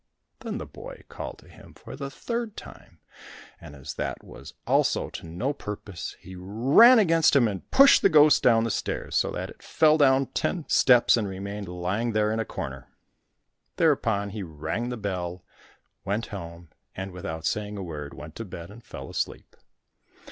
Then the boy called to him for the third time, and as that was also to no purpose, he ran against him and pushed the ghost down the stairs, so that it fell down ten steps and remained lying there in a corner. Thereupon he rang the bell, went home, and without saying a word went to bed, and fell asleep.